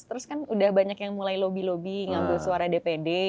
terus kan udah banyak yang mulai lobby lobby ngambil suara dpd